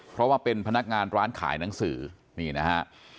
เพราะว่าเป็นพนักงานร้านขายหนังสือนี่นะฮะ